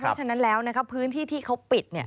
เพราะฉะนั้นแล้วพื้นที่ที่เขาปิด